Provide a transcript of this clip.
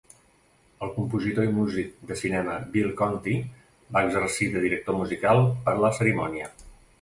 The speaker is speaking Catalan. El compositor i músic de cinema Bill Conti va exercir de director musical per a la cerimònia.